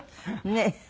ねえ。